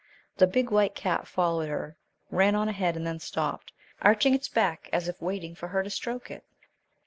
The big white cat followed her, ran on ahead, and then stopped, arching its back as if waiting for her to stroke it.